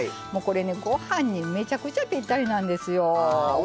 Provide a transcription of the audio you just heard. ご飯にめちゃくちゃぴったりなんですよ。